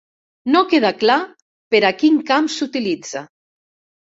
No queda clar per a quin camp s'utilitza.